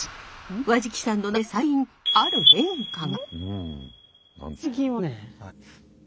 和食さんの中で最近ある変化が。